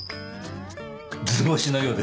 図星のようですね。